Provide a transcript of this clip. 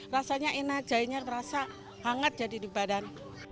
rasanya enak jahinya terasa hangat jadi di badan